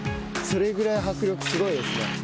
それぐらい迫力がすごいですね。